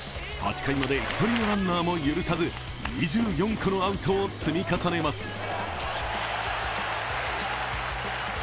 ８回まで１人のランナーも許さず２４個のアウトを積み重ねます。